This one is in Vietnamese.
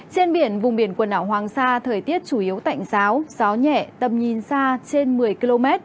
trên biển vùng biển quần đảo hoàng sa thời tiết chủ yếu tạnh giáo gió nhẹ tầm nhìn xa trên một mươi km